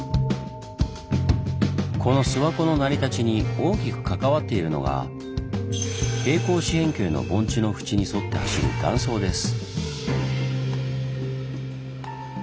この諏訪湖の成り立ちに大きく関わっているのが平行四辺形の盆地の縁に沿って走る断層です。